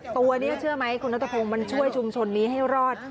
ตัวนี้เชื่อไหมคุณนัทพงศ์มันช่วยชุมชนนี้ให้รอด